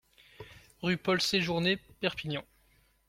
Rue Paul Sejourné, Perpignan